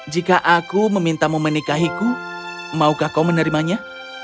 jika aku memintamu menikahiku maukah kau menerimanya